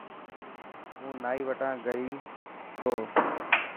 هون نائي وٽا گي تو.